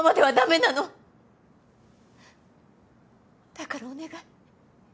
だからお願い。